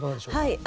はい。